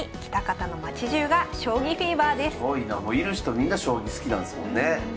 みんな将棋好きなんですもんね。